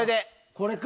これか？